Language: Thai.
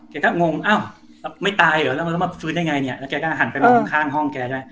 แกก็งงไม่ตายเหรอแล้วมาฟื้นได้ยังไงแล้วแกก็หันไปข้างห้องแก